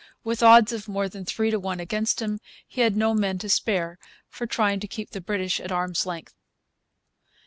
With odds of more than three to one against him, he had no men to spare for trying to keep the British at arm's length.